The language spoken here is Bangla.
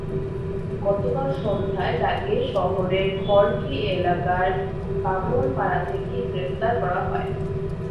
গতকাল সন্ধ্যায় তাঁকে শহরের খড়কি এলাকার বামনপাড়া থেকে গ্রেপ্তার করা হয়।